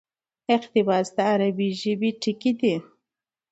اقتباس: د عربي ژبي ټکى دئ.